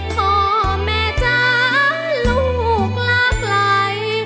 พ่อแม่จ้าลูกลาไกล